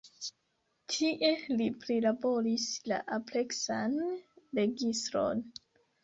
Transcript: Tie li prilaboris la ampleksan registron.